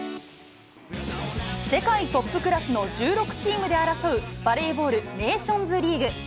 世界トップクラスの１６チームで争う、バレーボールネーションズリーグ。